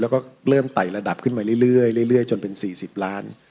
แล้วก็เริ่มไต่ระดับขึ้นมาเรื่อยเลยละย่อยละย่อยจนเป็น๔๐ล้าน